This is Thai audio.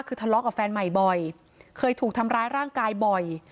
คือทะเลาะกับแฟนใหม่บ่อยเคยถูกทำร้ายร่างกายบ่อย